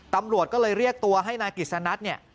ตำรวจก็เลยเรียกตัวให้นางกิษณัท